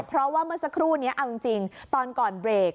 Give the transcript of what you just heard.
เพราะว่าเมื่อสักครู่นี้เอาจริงตอนก่อนเบรก